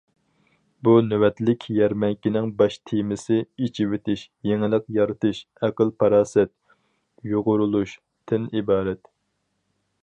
بۇ نۆۋەتلىك يەرمەنكىنىڭ باش تېمىسى« ئېچىۋېتىش، يېڭىلىق يارىتىش، ئەقىل- پاراسەت، يۇغۇرۇلۇش» تىن ئىبارەت.